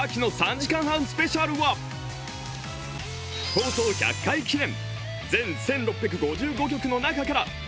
放送１００回記念。